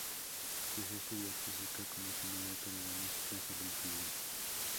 Quiso estudiar Física, como su madre, pero la música se lo impidió.